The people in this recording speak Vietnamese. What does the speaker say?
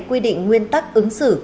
quy định nguyên tắc ứng xử